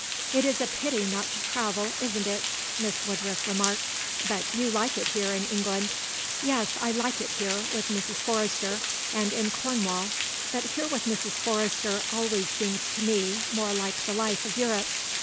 It is a pity not to travel, isn't it," Miss Woodruff remarked. "But you like it here in England?" "Yes, I like it here, with Mrs. Forrester; and in Cornwall. But here with Mrs. Forrester always seems to me more like the life of Europe.